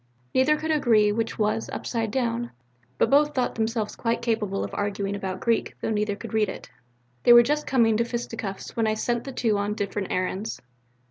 Neither could agree which was upside down, but both thought themselves quite capable of arguing about Greek, though neither could read it. They were just coming to fisticuffs when I sent the two on different errands."